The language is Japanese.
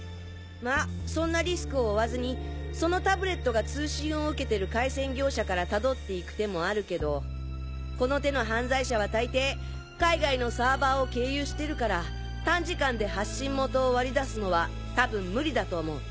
まぁそんなリスクを負わずにそのタブレットが通信を受けてる回線業者からたどって行く手もあるけどこの手の犯罪者は大抵海外のサーバーを経由してるから短時間で発信元を割り出すのは多分無理だと思う。